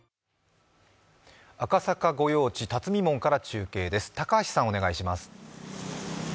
赤坂御用地・巽門から中継です。